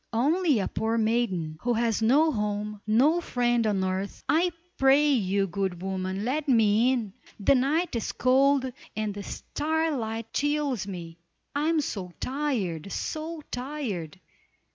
"Only a poor maiden, who has no home, no friend on earth. I pray you, good woman, let me in. The night is cold, and the starlight chills me. I am so tired! so tired!